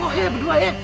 oh ya berdua ya